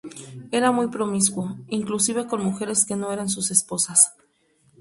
Era muy promiscuo inclusive con mujeres que no eran sus esposas.